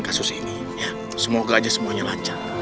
balik lagi dulu